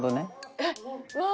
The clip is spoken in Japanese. えっわあ！